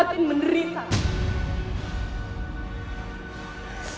ketika kamu menangis darah